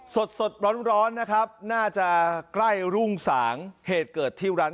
สดสดร้อนนะครับน่าจะใกล้รุ่งสางเหตุเกิดที่ร้าน